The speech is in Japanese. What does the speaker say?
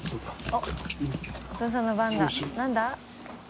おっお父さんの番だ何だ？